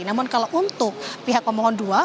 namun kalau untuk pihak pemohon dua